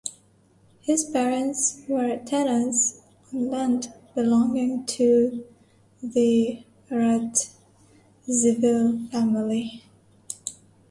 His parents were tenants on land belonging to the Radziwill family.